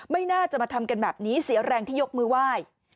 ไม่น่าจะมาทำกันแบบนี้เสียแรงที่ยกมือไหว้